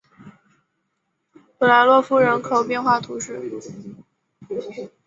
普莱洛夫人口变化图示